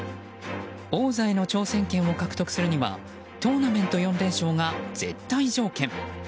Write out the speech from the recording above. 王座への挑戦権を獲得するにはトーナメント４連勝が絶対条件。